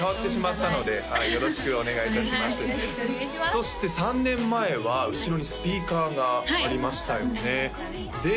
そして３年前は後ろにスピーカーがありましたよねで